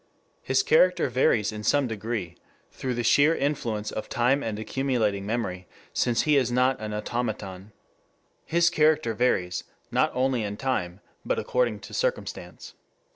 His character varies in some degree through the sheer influence of time and accumulating memory, since he is not an automaton. His character varies, not only in time, but according to circumstance.